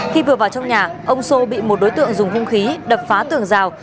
khi vừa vào trong nhà ông sô bị một đối tượng dùng hung khí đập phá tường rào